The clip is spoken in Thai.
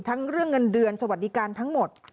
เรื่องเงินเดือนสวัสดิการทั้งหมด